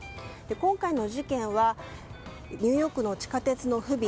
今回の事件はニューヨークの地下鉄の不備